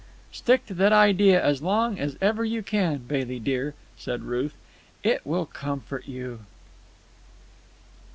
"Stick to that idea as long as ever you can, Bailey dear," said Ruth. "It will comfort you."